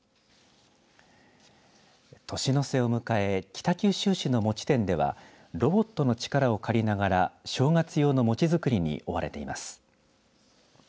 年の瀬を迎え北九州市の餅店ではロボットの力を借りながら正月用の餅作りに追われています。